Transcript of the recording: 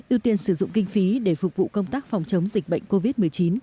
ưu tiên sử dụng kinh phí để phục vụ công tác phòng chống dịch bệnh covid một mươi chín